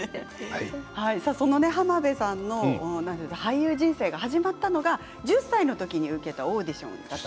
浜辺さんの俳優人生が始まったのが１０歳の時に受けたオーディション。